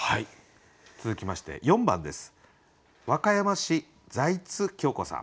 続きまして４番です。